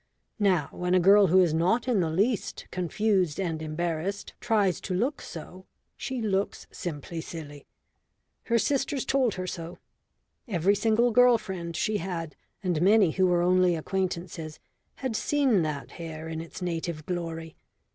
Now, when a girl who is not in the least confused and embarrassed tries to look so, she looks simply silly. Her sisters told her so. Every single girl friend she had, and many who were only acquaintances, had seen that hair in its native glory.